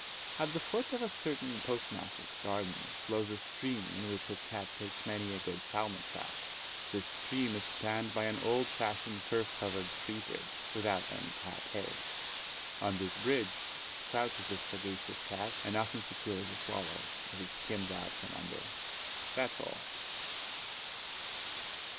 At the foot of a certain post master's garden, flows a stream in which his cat takes many a good salmon trout. This stream is spanned by an old fashioned turf covered tree bridge, without any parapet. On this bridge crouches this sagacious cat, and often secures a swallow, as it skims out from under. That's all.